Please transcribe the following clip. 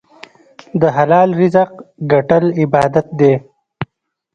د حلال رزق ګټل عبادت دی.